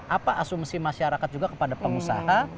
apa asumsi masyarakat juga kepada pengusaha